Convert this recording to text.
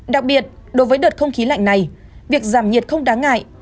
đặc biệt đối với đợt không khí lạnh này việc giảm nhiệt không đáng ngại